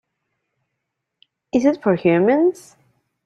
Is it for humans?